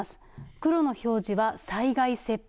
黒の表示は災害切迫